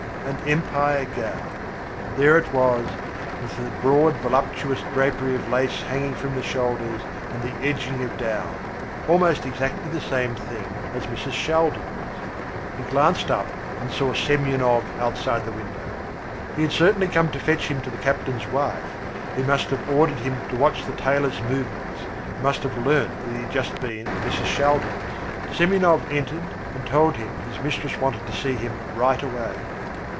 An Empire gown. There it was, with the broad voluptuous drapery of lace hanging from the shoulders and the edging of down. Almost exactly the same thing as Mrs. Shaldin's. He glanced up and saw Semyonov outside the window. He had certainly come to fetch him to the captain's wife, who must have ordered him to watch the tailor's movements, and must have learned that he had just been at Mrs. Shaldin's. Semyonov entered and told him his mistress wanted to see him right away.